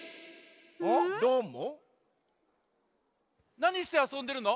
なにしてあそんでるの？